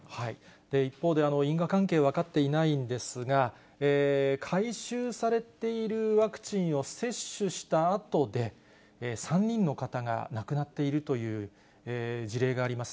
一方で、因果関係分かっていないんですが、回収されているワクチンを接種したあとで、３人の方が亡くなっているという事例があります。